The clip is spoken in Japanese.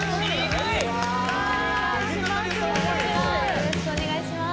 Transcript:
よろしくお願いします！